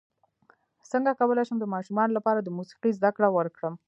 څنګه کولی شم د ماشومانو لپاره د موسیقۍ زدکړه ورکړم